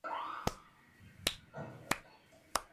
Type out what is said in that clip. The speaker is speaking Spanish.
Emerson fue en busca de su amigo Cozy Powell.